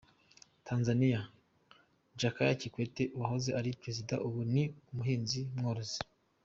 Tanzaniya: Jakaya Kikwete_Uwahoze ari Perezida ubu ni umuhinzi mworozi.